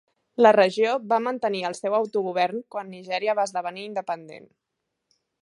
La regió va mantenir el seu autogovern quan Nigèria va esdevenir independent.